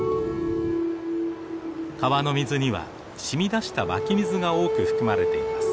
川の水には染み出した湧き水が多く含まれています。